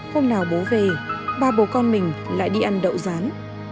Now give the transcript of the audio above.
hôm nào bố về ba bố con mình lại đi ăn đậu rán